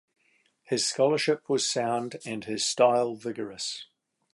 His scholarship was sound and his style vigorous.